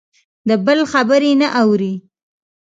د بل خبرې نه اوري.